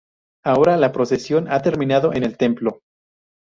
Ahora, la procesión ha terminado en el templo.